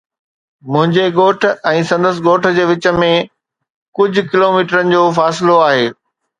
منهنجي ڳوٺ ۽ سندس ڳوٺ جي وچ ۾ ڪجهه ڪلوميٽرن جو فاصلو آهي.